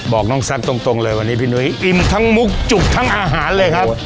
บอกน้องแซคตรงเลยวันนี้พี่นุ้ยอิ่มทั้งมุกจุกทั้งอาหารเลยครับ